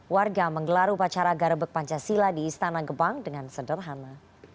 warga menggelar upacara garebek pancasila di istana gebang dengan sederhana